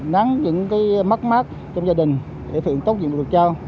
nắng những cái mắt mát trong gia đình để thưởng tốt những điều được trao